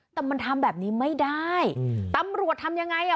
แต่มันทำแบบนี้ไม่ได้อืมตำรวจทำยังไงอ่ะ